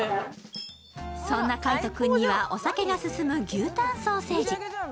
そんな海音君には、お酒が進む牛たんソーセージ。